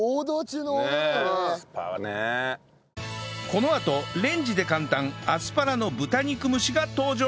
このあとレンジで簡単アスパラの豚肉蒸しが登場！